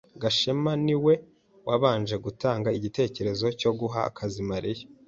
Gashema ni we wabanje gutanga igitekerezo cyo guha akazi Mariya.